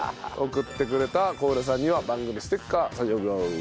送ってくれた小浦さんには番組ステッカー差し上げます。